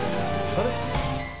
あれ？